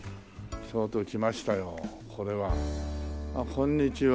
こんにちは。